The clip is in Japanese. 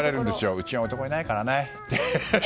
うちは男いないからねって。